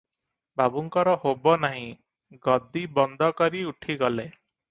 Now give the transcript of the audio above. ବାବୁଙ୍କର ହୋବ ନାହିଁ, ଗଦି ବନ୍ଦ କରି ଉଠିଗଲେ ।